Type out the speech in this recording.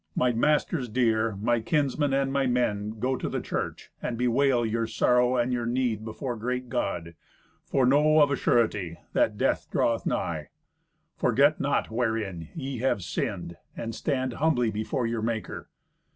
My masters dear, my kinsmen, and my men, go to the church and bewail your sorrow and your need before great God, for know, of a surety, that death draweth nigh. Forget not wherein ye have sinned, and stand humbly before your Maker.